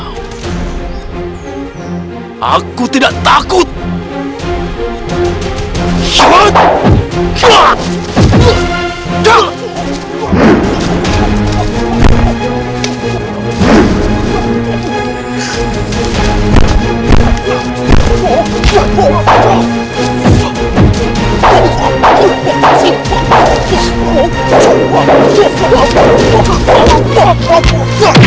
mereka sending hasil ngejar talking e thompson